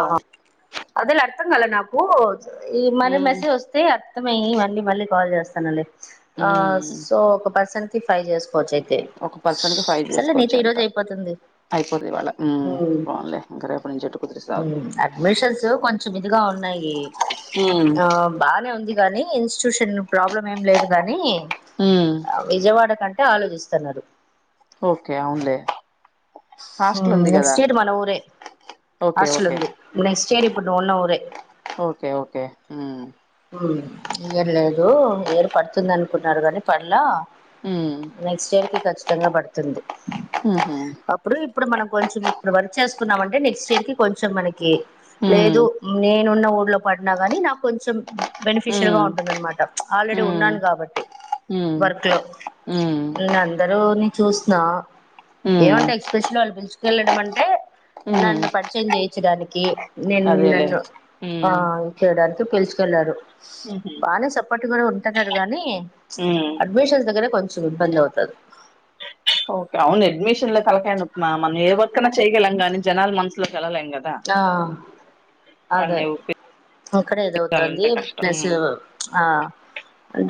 ఆ అది లర్ అర్థం కాల నాకు ఈ మరి ఉమ్ మెసేజ్ వస్తే అర్థమయ్యి మళ్ళీ మళ్ళీ కాల్ చేస్త్ తనలే ఆ ఉమ్ సో ఒక పర్సన్ [unintelligible] ఫ్రై చేస్ ఒక పర్సన్ కు ఫైల్ చేసుకోవచ్చు అంట ఈరోజు అయిపోతుంది అయిపోతదివాళ్ల మ్ పోనీన్లే ఇంక రేపు నుంచి ట్రిప్ [unintelligible] హ్మ్ అడ్మిషన్స్ కొంచం ఇదిగా ఉన్నాయి ఉమ్ ఆ బానే ఉంది గాని ఇన్స్టిట్యూషన్ ప్రాబ్లం ఏం లేదు గాని, ఉమ్ ఆ విజయవాడ కన్ టే ఆలోచిస్తున్నారు ఓకే అవునులే హాస్టల్ హ్మ్ ఉంది కదా నెక్స్ట్ ఇయర్ మన ఊరే ఓకే హాస్టల్ ఓకే ఉంది నెక్స్ట్ చ్చేది ఇపుడు నువ్ఉన్న ఊరే ఓకే ఓకే హ్మ్ హ్మ్ ఈ ఇయర్ లేదు ఇయర్ పడుతుంది అనుకున్నారు కాని పడ్ల ఉమ్ నెక్స్ట్ ఇయర్కి ఖచ్ తంగా పడుతుంది మ్ ఉహు అప్పుడు ఇప్పుడు మనం కొంచెం ఇప్పుడు వర్క్ చేసుకున్నామంటే నెక్స్ట్ ఇయర్కి కొంచెం మనకి లేదు ఉమ్ నేనున్న ఇప్పుడ్లో పడిన కానీ నాకు కొంచెం బెనిఫిషియల్గా ఉమ్ ఉంటుందన్నమాట ప్చ్ ఆల్రెడీ ఉమ్ ఉన్నాను కాబట్టి ఉమ్ వర్క్ లో, ఉమ్ నేనందరూ చూసిన ఉమ్ ఏమంటా ఎక్స్పెషల్ వాళ్ళు పిలుచుకెళ్ళడం అంటే ఉమ్ నన్ను పరిచయం చేయిచ్చడానికి. నేను అదేలే నన్ను ఆ ఉమ్ ఇది చూడాలి తో పిల్చ్ కెల్లారు స్ ఉహు బానే సపోర్ట్ ఇడ కూడా ఉంటున్నారు గానీ ఉమ్ అడ్మిషన్స్ దగ్గర కొంచెం ఇబ్బంది అవుతది ఓకే అవును అడ్మిషన్ లో తలకయా నొప్ మా మనం ఏ వర్కన చెయ్ ఎల్లంగాని జనాల మనుసులో ఆ అదే వాళ్ళని ఇక్కడ ఇదవుతుంది. ఒప్పించాలంటే కష్టం ప్లస్ ఉమ్ ఆ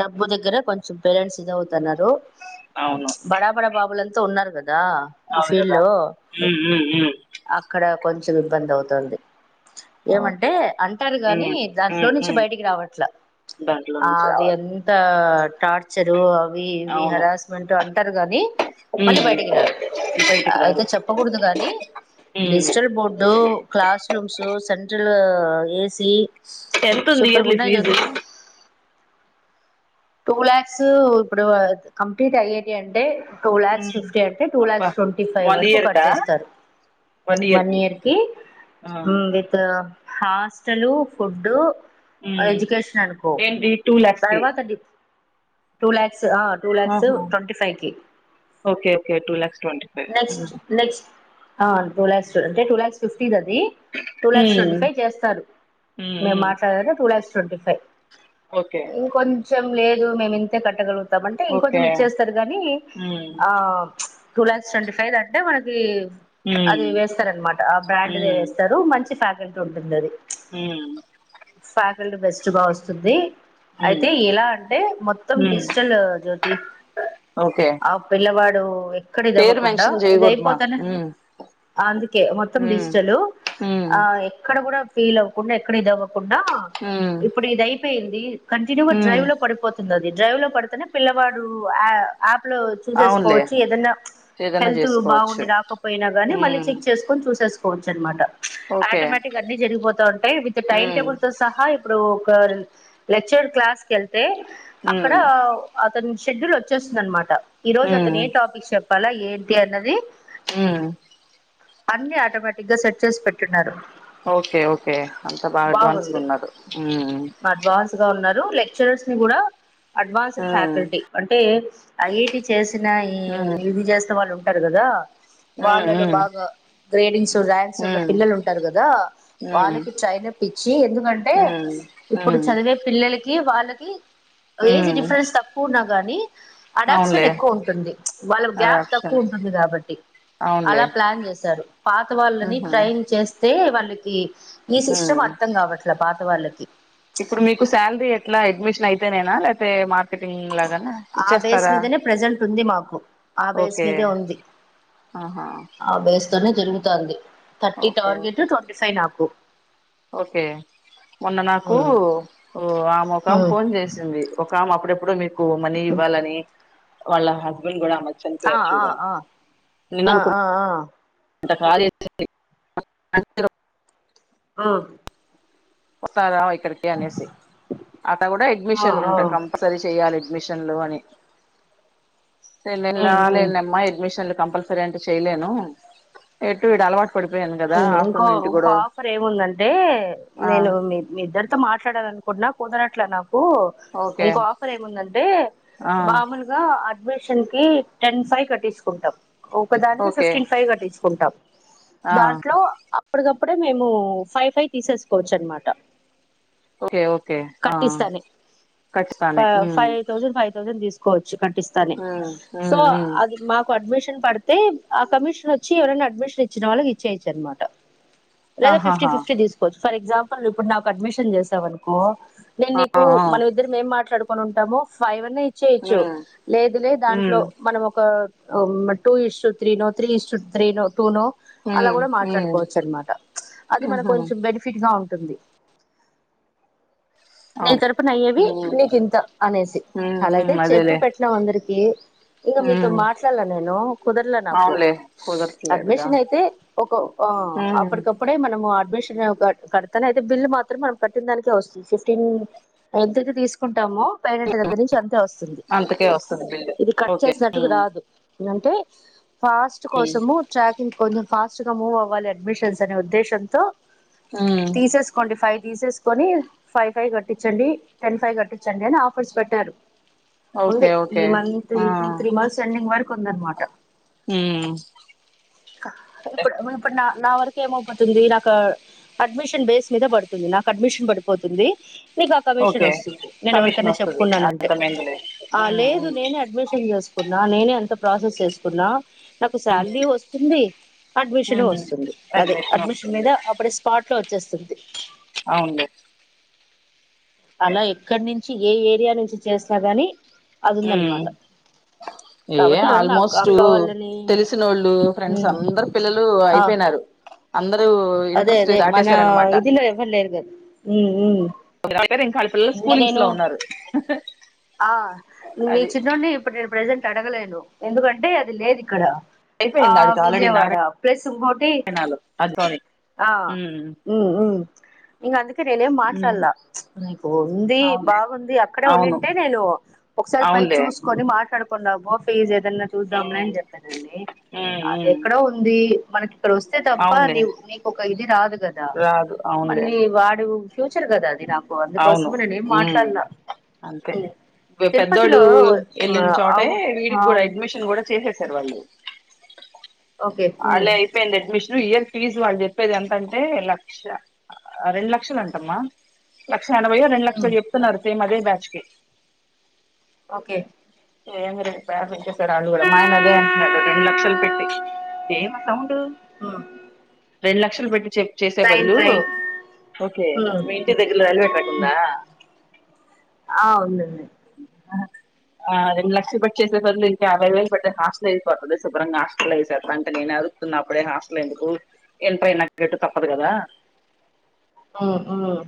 డబ్ బు దగ్గర కొంచెం పేరెంట్స్ ఇదవు తన్నారు అవును ప్చ్ బడా బడా బాబులం తు ఉన్నారు గా దా ఈ అవును ఫీల్డ్ కదా లో ఉమ్ ఉమ్ ఉమ్ అక్కడ కొంచెం ఇబ్బందవుతుంది ఏమంటే ఓకే అంటారు ఉమ్ గాని దాంట్లో ఉమ్ నుంచి ఉమ్ బయటికి రావట్ల. దాంట్లో నుంచి అవి రావాలి ఎంత టార్ చెరువూ వీ ఇవీ అవును హరాస్మెంట్ అంటారు కానీ ఉమ్ మళ్ళీ బయటకి రారు బయటికి అయితే రారు చెప్పకూడదు కాని ఉమ్ డిజిటల్ బోర్డ్ ఇప్పుడు క్లాస్ రూమ్స్ సెంట్రల్ ఆ అ ఏసీ టెన్త్ ఉంది ఇయర్లీ ఫీజు టూ లాక్స్ ఇప్పుడు కంప్లీట్ అయ్యేది అంటె టూ లాక్స్ ఉమ్ ఫిఫ్టీ అంటే టూ అబ్బా లాక్స్ ట్వంటీ ఫైవ్ వన్ వరకు ఇయర్ కా ఖర్చేస్తారు వన్ ఇయర్ కి ఆ ఉమ్ ‌విత్ హాస్టలు ఫుడ్డు ఉమ్ ఏంటి టూ లాక్స్ ది టూలాక్ స్ ఆ టూలాక్స్ ఆహా twenty-five key okay okay two lakhs twenty five ఆ టూలాక్స్ అంటే టూలాక్స్ ఫిఫ్ టీదదీ టూలాక్స్ ఉమ్ ట్వంటీఫైవ్ చేస్తారు. ఉమ్ మేం ఉమ్ మాట్లాడేదదే two lakhs twenty five okay ఇంకొంచ్ ఏం లేదు మేమింతే కట్టగలు తామంటే ఇంకొంచెం ఓకే ఇచ్చేస్తారు గాని ఉమ్ ఆ ప్చ్ టూ లాక్స్ ట్వంటీ ఫైవ్ దంటే మనకి ఉమ్ అది వేస్తారన్నమాట ఆ బ్రాండ్ దే వేస్తారు మంచి ఫ్యా ఎంతుంటుందది హూ వాల్డ్ బెస్ట్ బా వస్తుంది ఊ అయితే ఎలా అంటే మొత్తం డిజిటల్ జ్యోతి ఓకే ఆ పిల వాడు ఎ క్కడ ఇది పేరు అవ్వకుండా మెన్షన్ ఇది చేయకూడదుమా అయిపోతానే హ్మ్ అందుకే మొత్తం హ్మ్ డిజిటలు హ్మ్ ఆ ఎక్కడ గూడా ఫీల్ అవుకుండ ఎక్కడ ఈ దవ కుండా హ్మ్ ఇప్పుడు ఇది అయిపోయింది [inaudible] హ్మ్ డ్రైవ్ లో పడిపోతుంది అది డ్రైవ్ లో పడితేనే పిల్లవాడు ఆ అప్లో అవునులే చూసేసుకోవచ్చు ఏదనా ప్చ్ ఏదైనా హెల్త్ బాగుండి చేసుకోవచ్చు రాకపోయినా గాని మళ్ళీ హ్మ్ చెక్ చేసుకొని చూసేసుకో కోవచ్చన్మాట ఓకే ఆటోమేటిక్గా అన్ని జరిగిపోతా ఉంటాయి విత్ హ్మ్ టిమిటబుల్ తో సహా ఇప్పుడు లెక్చర్ క్లాస్ కెల్ తె అక్కడ హ్మ్ తన షెడ్యూల్ వచ్చేస్తుంది అనమాట ఈ రోజు అతనే హ్మ్ ఏ టాపిక్ చెప్ ప్పలా ఏంటి అన్నది ఊ అన్ని ఆటోమేటిక్ గా సెట్ చేసి పెట్టున్నారు ఓకే ఓకే అంతా బాగా అడ్వాన్స్గా బాగుంది ఉన్నారు [unintelligible] లెక్చరస్ నీ కూడా అడ్వాన్స్డ్ హ్మ్ ఫ్యాకల్టీ అంటే ఐఐటి చేసి న ఈ హ్మ్ ఇది చేసిన వాళ్ళుం టారు గదా వాళ్ళలో హ్మ్ బాగా గ్రేడింగ్స్ ర్యాంక్స్ ఉన్న హ్మ్ పిల్లలు ఉంటారు కదా హ్మ్ వాళ్ళకి ట్రైనప్ ఇచ్చి ఎందుకంటే హ్మ్ ఇప్పుడు హ్మ్ చదివే పిల్లల కీ వాళ్ళ కి ఏజ్ హ్మ్ డిఫరెన్స్ తక్కువున్న గానీ అడాప్షన్ అవునులే ఎక్కువ ఉంటుంది ప్చ్ వాళ్ళ గ్యాప్ అడాప్షన్ తక్కువ ఉంటుంది కాబట్టి అలా అవునులే. ప్లాన్ చేశారు పాత వాళ్ళని హుహు. ట్రైన్ చే స్తే వాళ్ళకి ఈ సిస్టమ్ హ్మ్. అర్థం కావట్లే పా త వాళ్లకి ఇప్పుడు మీకు శాలరీ ఎట్లా అడ్మిషన్ అయితేనేనా లేతే మా ఆ బేస్ మీదనే ప్రెజెంట్ ఉంది మాకు ఆ బేస్ ఓకే మీదే ఉంది ఆహా ఆ బేస్ నే జరుగుతా ఉంది thirty okay target okay twenty five నాకు ఓకే మొన్న నాకు ఒ ఆమే ఒకామే ఫోన్ చేసింది. ఒకామే అప్పుడె ప్పుడో మీర్ కు మనీ ఇవ్వాలని వాళ్ళ హస్బెండ్ కూడ ఆ ఆ నిన్న హా ఆ ఆ అనుకుంట ఆ [unintelligible] ఆహ్ వస్తారా ఇక్కడికి అనేసి అట్ట కూడ ఆ ఎడ్మిషన్లు ఉంటయి కంపల్సరీ చెయాలి ఎడ్మిషన్లు అని నేను ఆ లేల ఆ లేనమ్మా ఎడ్మిషన్లు కంపల్స సరేంటే చెయ్యలేను ఎటు ఈడ అలవాటు పడిపోయాను కదా ఇంకో ఆఫ్టర్నూన్ ఇంటి ఇంకో కూడా ఆఫర్ ఏముందంటే ఆ నేను మీ మీ ఇద్దర్ తో మాట్లాడాలనుకుటున్నా కుదరట్లా నాకు ఓ ఓకే ఇంకో ఆఫర్ ఏముందంటే ఆ మామూలుగా అద్ అడ్మిషన్ కి టెన్ ఫైవ్ కట్టిచుకుంటాం ఒకదానికి ఓకే ఫిఫ్టీన్ ఫైవ్ కట్టించుకుంటాం ఆ దాంట్లో అ అప్పటికప్పుడే మేము ఫైవ్ ఫైవ్ తీసేసుకోవచ్చు అనమాట ఓకే ఓకే ఆ కట్టిస్తానే ఖచ్చితానే ఉమ్ ఫైవ్ థౌసండ్ ఫైవ్ థౌసండ్ తీసు కొ చ్చు కట్టిస్తానే ఉమ్ సో ఉమ్ ఉమ్ అది మాకు అడ్మిషన్ పడితే ఆ కమిషన్ వచ్చి ఎవరైనా అడ్మిషన్ ఇచ్చిన వాళ్ళకి చేయచ్చు అనమాట లేదా ఫిఫ్టీ ఆహాహా ఫిఫ్టీ తీసుకోవచ్ ఫర్ ఎగ్జాంపుల్ ఇప్పుడు నాకు అడ్మిషన్ చేసావ అనుకో నేను ఆ నీకు ఆ మనం ఇద్దరు మేం మాట్లాడుకు ఉంటాము ఫైవ్ ఇచ్చేయచ్చు ఉమ్ లేదు లే దాంట్లో ఉమ్ మనం ఒక హా టూ ఇష్టట్ త్రీ నో త్రీ ఇష్టట్ త్రీ ను టూనో అలా ఉమ్ కూడా ఉమ్ మాట్లాడుకోవచ్చు అనమాట, అది మన ఉహు కొంచెం బెనిఫిట్ గా ఉ కుంది నీ అవును తరపున అయ్యేవి నీకు ఉమ్ ఇంత అనేసి, ఉమ్ అలాయితే ఉమ్ చెప్పి అదేలే పెట్టినాం అందరికి, ఇంకా మీతో ఉమ్ మాట్లాడలే నేను కుదరలే నాకు, అవునులే కుదరట్లేదుగా అడ్మిషన్ అయితే ఒక ఆ ఉమ్ అప్పటికప్పుడే మనము అడ్మిషన్ నా ఒక కడతానే అయితే బిల్ మాత్రం మనం కట్టి దానికే వస్సుంసిస్ తిమ్ అద్దెకు తీసికు టము పేడింటి దగ్గర నుంచి అంత వస్సుంది. అంతకే వస్తది బిల్లు ఇది కట్ ఓకే చేసినట్టుగు ఉమ్ రాదు. నన్ టే ఫాస్ట్ ఉమ్ కోసము ట్రాకింగ్ కొంజం ఫాస్ సుగము వాల్ అడ్మిషన్స్ అనే ఉద్దేశంతో ఉమ్ తీసేసుకోండి ఫై తీసేసుకొని ఫైవ్ ఫైవ్ కట్టించండి, టెన్ ఫైవ్ కట్టించండి అని ఆఫర్స్ పెట్టారు. ఉంది, ఓకే ఈ ఓకే మంత్ ఆ ఈ టూ త్రీ మంత్స్ ఎండింగ్ వర్ కుందన్ మాట ఉమ్ క ఇప్పుడ్ ఇప్పుడు నా నా వరకు ఏమౌపోతుంది నాకా, అడ్మిషన్ బేస్ మీద బడుతుంది నాకు అడ్మిషన్ పడ్ పోతుంది నీకొక కమిషన్ ఓకే వస్సుంది, నేను కమిషన్ ఎవరికైనా వస్తుంది చెప్పుకున్నానంటే, అర్థమైందిలే ఆ ఉమ్, లేదు నేనే అడ్మిషన్ చేసుకున్ ఆ నేనే అంత ప్రాసెస్ చేసుకున్నా నాకు ఉమ్, శాలరీ వస్తుంది, అడ్మిషను ఉమ్, వస్తుంది అదే అడ్మిషన్ మీద అప్పుడే స్పాట్ లో చేస్స్ ద్ది. అ ఉండు అలా ఎక్కడ్ నించి ఏ ఏరియా నుంచి చేస్సాగాని హు, ఏ కాబట్టి ఎవరైనా అక్క ఆల్మోస్టూ అక్క వాళ్ళని తెల్సినోళ్ళు, ఫ్రెండ్స్ ఉమ్ అందరూ పిల్లలూ ఆ అయిపెయ్ నారు. అదే అదే మన ఇదిలొ ఎవ్వర్ లేరుగద హు‌హు పేరు ఇంకా పిల్లలు స్కూలింగ్స్ లో ఉన్నారు. ఆ మి అది చిన్నోడ్ని ఇప్పుర్ నే ప్రజెంట్ అడగలేను ఎందుకంటే అది లేదు ఇక్కడ ఆ అయిపోయింది ఆడికి ఆల్రెడీ విజయవాడ ప్లస్ ఇంగోటి, నారాయణలో అది ఆ ఉమ్, మ్ మ్ ఇంగ అందుకే నేనేమ్ ఉమ్, మాట్లాలాల్ల ఉంది అవునులే బాగుంది అక్కడే ఉండిం అవును టే నేను ఒకసారి పై అవునులే చూసుక్కొని మాట్లాడ్ కున్నము ఫీజ్ ఎ దన్నా చూద్దాంలే ఉమ్, అని చెప్పానండి, ఉమ్, ఉమ్, అదెక్కడో ఉంది. మనకి తెరిస్తే తప్ప అవునులే నీవ్ నీకు ఒక ఇది రాదు కదా, రాదు అవునులే మళ్ళీ వాడు ఫ్యూచర్ కద అది రా అందుకోసమె నేనేం మాట్లాడలా అంతె ఉమ్ పెద్దోడు తిరుపతిలో ఆ ఎళ్ళిన చోటే అవు వీడికి కూడా అవు అడ్మిషన్ కూడ చేసేసారు వాళ్ళు ఓకే ఉమ్ అలా అయిపోయింది అడ్మిషన్ ఇ ఇయర్ ఫీజు వాళ్ళు చెప్పేది ఎంతంటే లక్ష రెండు లక్షల్ అంటమ్మా క్ష ఎనభై ఒ రెండు లక్షలొ ఉమ్ చెప్తున్నారు సేమ్ అదే బాచ్కి ఓకే ఏమి లేద్ వాళ్ళు కుడా మా ఆయన అదే అంటున్నాడు రెండు లక్షలు పెట్టి, ఏం సౌండు ఉమ్ రెండు లక్షలు పెట్టి చెక్ చేసే ట్రైన్ బదులు ట్రైన్ ఓకే ఉమ్ మీ ఇంటి దగ్గర రైల్వే ట్రాక్ ఉందా ఆ ఉందండి అ రెండు లక్షల్ పట్టి చేసే బదులు, ఇంకా యాభై వేలు పడితే హాస్టల్ అయిపోతుంది, శుభ్రంగా హాస్టల్ వేసేస్తా అంటే నేను అరుత్తున్న అప్పుడే హాస్టల్ ఎందుకు ఎంతైనా [unintelligible] తప్పదు కదా మ్ మ్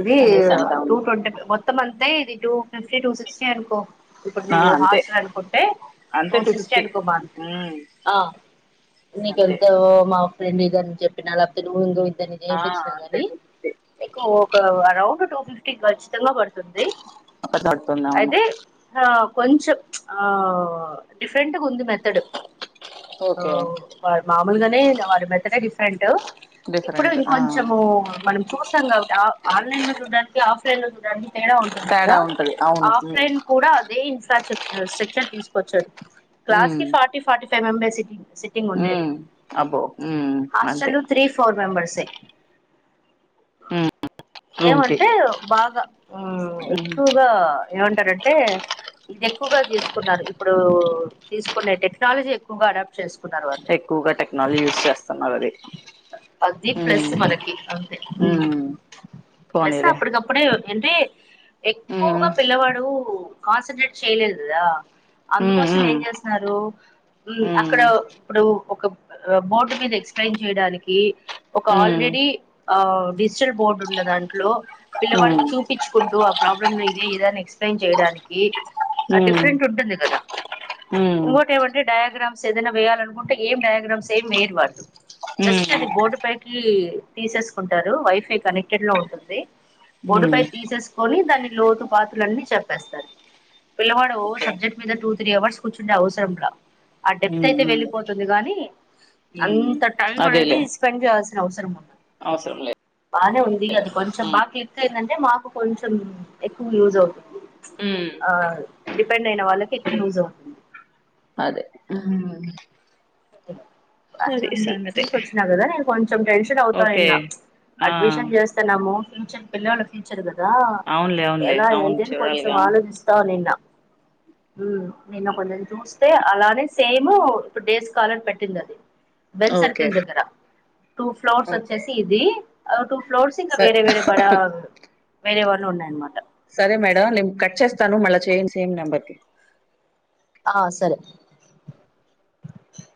ఇది అనేసి అంటా టూ ఉన్నా ట్వంట్ మొత్తం అంతే ఇది టు ఫిఫ్టీ టూ సిక్స్టీ అనుకో, ఇప్పుడు ఆ నువ్వు అంతే హాస్టల్ అనుకుంటే టూ అంతే సిక్స్టీ ఫిఫ్టీ అనుకో మ ఉమ్ అంతే [unintelligible] చెప్పినా గా [inaudible] ఆ నేర్పిచ్చినా అంతే కాని టూ ఫిఫ్టీ ఫిఫ్టీ గర్ల్స్ సిద్ధంగా పడుతుంది పడుతుంది అవును అయితే ఆ కొంచెం ఆ డిఫరెంట్ ఉంది మెథడ్ ఓకే ఆ మాములుగానే వారి మెథడే డిఫరెంట్ డిఫరెంట్ ఆ ఇంకొంచెము మనం చూస్తాం కాబట్టి ఆ ఆన్లైన్ లో చూడడానికి ఆఫ్లైన్ లో చూడాలని తేడా ఉంటుంది కదా తేడా ఉంటది అవును ఉమ్ ఆఫ్లైన్ కూడా అదే ఇన్స్ స్ట స్ట్రక్చర్ తీసుకొచ్చాడు క్లాస్ ఉమ్ కి ఫార్టీ ఫార్టీ ఫంబాసిటీ సిట్టింగ్ ఉండేది ఉమ్ అబ్బో ఉమ్ అంతే హాస్టల్ త్రీ ఫోర్ మెంబర్స్ తె ఉమ్ రూమ్ కి ఏమంటే బాగా మ్ ఉమ్ ఎక్కువగా ఏమం అంటే ఇది ఎక్కువగా తీసుకున్నారు, ఇప్పుడూ తీసుకునే టెక్నాలజీ ఎక్కువగా అడాప్ట్ చేసు ఎక్కువగా టెక్నాలజీ యూజ్ చేస్తున్నారు అది అది ప్లస్ ఉమ్ మనకి అంతే ఉమ్ ప్లస్ పోనీలే అప్పుడికప్పుడే అంటే ఉమ్ ఎక్కువగా పిల్లవాడు కాన్సెంట్రేట్ చేయలేదు గదా ఉమ్ అందుకోసం ఏం ఉమ్ చేస్తారు మ్ అక్కడ ఉమ్ ఇప్పుడు ఒక బోర్డు మీద ఎక్స్ప్లెయిన్ చేయడానికి ఒక ఆల్రెడీ ఆ డిజిటల్ బోర్డు ఉన్న దాంట్లో ఉమ్ ఉమ్ పిల్లవాడికి చూపించుకుంటూ ప్రాబ్లమ్ ఇదే ఇదని ఎక్స్ప్లెయిన్ చేయడానికి ఆ ఉమ్ డిఫరెంట్ ఉంటుంది కదా ఉమ్ ఇంకోటి ఏమంటే డయాగ్రామ్స్ ఏదైనా వేయాలనుకుంటే ఏం డయాగ్రామ్స్ ఏం వేరు వాళ్ళు ఉమ్ జస్ట్ అది బోర్డు పైకి తీసేసుకుంటారు వైఫై కనెక్టెడ్ లో ఉంటుంది బోర్డు ఉమ్ పై తీసేసుకొని దాన్ని లోటు పాటులు అన్నీ చెప్పేస్తారు పిల్లవాడు ఓ ఓకే సబ్జెక్ట్ మీద టూ త్రీ అవర్స్ కూర్చుండె అవసరంలా ఆ డెప్త్ ఉమ్ అయితే ఉమ్ వెళ్ళిపోతుంది గాని అన్ ఉమ్ త టైం అది అదేలే ఇస్ ఇయాల్సిన అవసరము ఉండదు అవసరం లే బానే ఉంది అది కొంచెం బాగా క్లిక్ అయిందంటే మాకు కొంచెం ఎక్కువ యూజ్ అవుతుంది ఉమ్ ఆ డిపెండ్ అయిన వాళ్ళకి ఎక్కువ యూజ్ అవుతుంది అదే ఉమ్ బానే అది ఉంది సంగతి చూసి వచ్చిన కదా నేను కొంచెం టెన్షన్ అవుతా ఓకే నిన్న ఆ అడ్మిషన్ చేస్తన్నాము ఫ్యూచర్ పిల్లోడి ఫ్యూచర్ కదా అవునులే లా అవునులే ఎలా అవును ఏంటి అని కొంచెం చూడాలిగా ఆలోచిస్తా నిన్నా ఊ నిన్న కొందరిని చూస్ అదే అలానే సేమూ ఇప్పుడు డేస్ కాలర్ పెట్టింది అది బెన్ ఓకే సర్కిల్ దగ్గరా టూ ఫ్లోర్స్ ఓకే వచ్చేసి ఇది ఆ టు ఫ్లోర్స్ ఇక స వెరే వెరే బడా వేరే వాళ్ళు ఉన్నాయన్నమాట సరే మేడం నేను కట్ చేస్తాను మళ్ళా చేయండి సేమ్ నెంబర్కి ఆ సరే